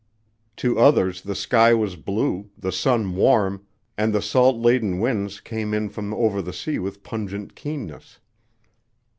To others the sky was blue, the sun warm, and the salt laden winds came in from over the sea with pungent keenness.